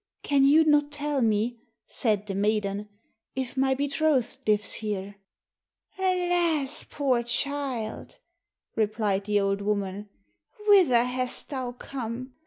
"Can you not tell me," said the maiden, "if my betrothed lives here?" "Alas, poor child," replied the old woman, "whither hast thou come?